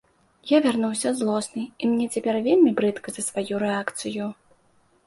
Я вярнуўся злосны, і мне цяпер вельмі брыдка за сваю рэакцыю.